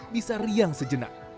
bisa riang sejenak